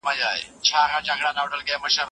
شاګرد باید د هري جملي مانا وپوهېږي.